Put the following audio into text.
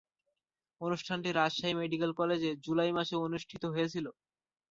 অনুষ্ঠানটি রাজশাহী মেডিকেল কলেজে জুলাই মাসে অনুষ্ঠিত হয়েছিলো।